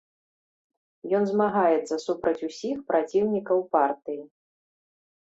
Ён змагаецца супраць усіх праціўнікаў партыі.